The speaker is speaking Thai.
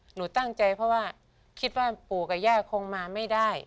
หนูตั้งใจเพราะว่าคิดว่าปู่กับย่าคงมาไม่ได้